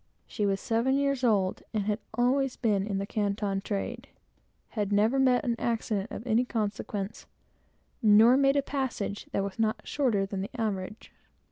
She was seven years old, and had always been in the Canton trade, and never had met with an accident of any consequence, and had never made a passage that was not shorter than the average.